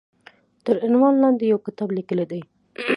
تر عنوان لاندې يو کتاب ليکلی دی